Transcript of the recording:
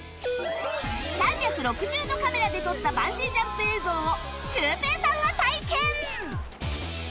３６０度カメラで撮ったバンジージャンプ映像をシュウペイさんが体験！